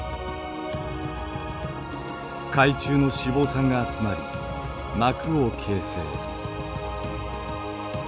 海中の脂肪酸が集まり膜を形成。